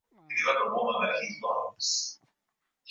mkurugenzi james cameron aliongoza filamu iliyoshinda tuzo